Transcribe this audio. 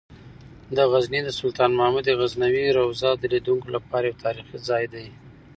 د غزني د سلطان محمود غزنوي روضه د لیدونکو لپاره یو تاریخي ځای دی.